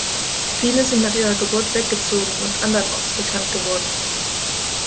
Viele sind nach ihrer Geburt weggezogen und andernorts bekannt geworden.